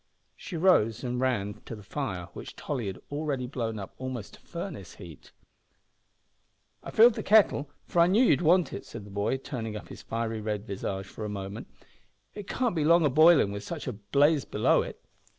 She rose and ran to the fire which Tolly had already blown up almost to furnace heat. "I filled the kettle, for I knew you'd want it," said the boy, turning up his fiery red visage for a moment, "It can't be long o' boiling with such a blaze below it."